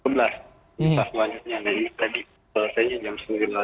nah ini tadi selesainya jam sembilan